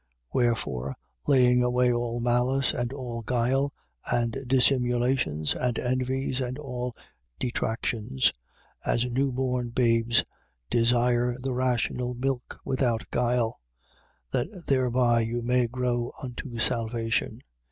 2:1. Wherefore laying away all malice and all guile and dissimulations and envies and all detractions, 2:2. As newborn babes, desire the rational milk without guile, that thereby you may grow unto salvation: 2:3.